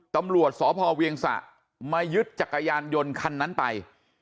ตำรวจสพเวียงสะมายึดจักรยานยนต์คันนั้นไป